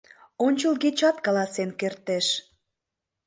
Ончылгечат каласен кертеш.